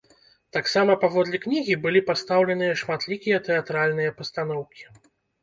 Таксама паводле кнігі былі пастаўленыя шматлікія тэатральныя пастаноўкі.